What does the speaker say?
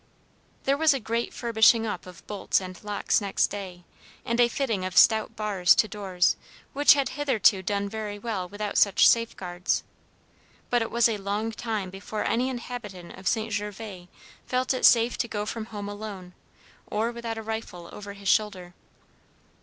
There was a great furbishing up of bolts and locks next day, and a fitting of stout bars to doors which had hitherto done very well without such safeguards; but it was a long time before any inhabitant of St. Gervas felt it safe to go from home alone, or without a rifle over his shoulder.